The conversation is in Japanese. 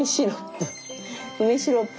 梅シロップ。